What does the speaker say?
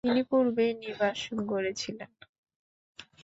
তিনি পূর্বেই নিবাস গড়েছিলেন।